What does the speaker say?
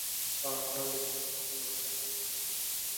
বিচিত্র বকুল নামে একটি গাছ আছে, যাতে তিন ধরনের পাতা হয়।